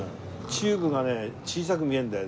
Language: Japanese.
チューブがね小さく見えるんだよ。